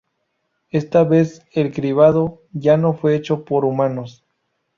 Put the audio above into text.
Esta vez el cribado ya no fue hecho por humanos.